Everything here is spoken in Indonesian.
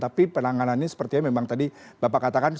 tapi penanganannya sepertinya memang tadi bapak katakan